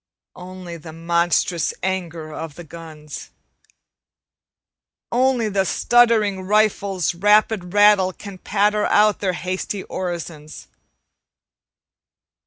Only the monstrous anger of the guns. Only the stuttering rifles' rapid rattle Can patter out their hasty orisons.